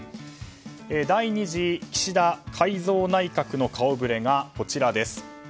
第２次岸田改造内閣の顔ぶれがこちらです。